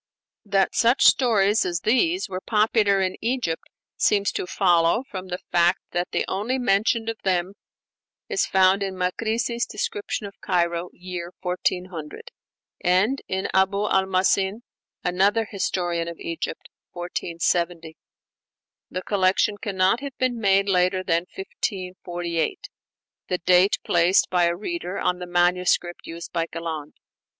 That such stories as these were popular in Egypt seems to follow from the fact that the only mention of them is found in Makrisi's 'Description of Cairo' (1400) and in Abu al Mahasin, another historian of Egypt (1470). The collection cannot have been made later than 1548, the date placed by a reader on the manuscript used by Galland.